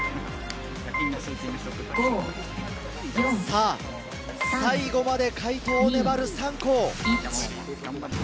さぁ最後まで解答を粘る３校。